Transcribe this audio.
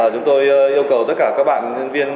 chúng tôi yêu cầu tất cả các bạn nhân viên